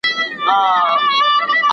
هغه څېړنه چي زه یې کوم ډېره پېچلې ده.